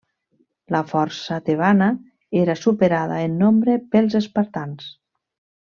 La força tebana era superada en nombre pels espartans.